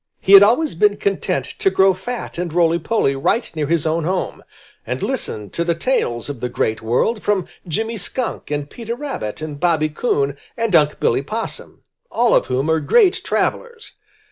He had always been content to grow fat and roly poly right near his own home, and listen to the tales of the great world from Jimmy Skunk and Peter Rabbit and Bobby Coon and Unc' Billy Possum, all of whom are great travelers.